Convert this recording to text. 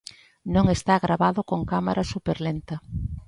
Non está gravado con cámara superlenta.